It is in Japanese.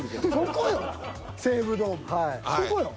そこよ。